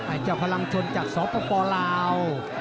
อาจจะพลังชนจัดสอบตัวปล่าว